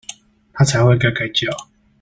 他才會該該叫！